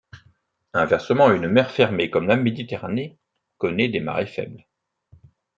Inversement, une mer fermée comme la Méditerranée connaît des marées faibles.